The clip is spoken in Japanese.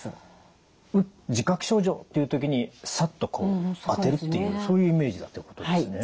自覚症状という時にさっとこう当てるっていうそういうイメージだってことですね。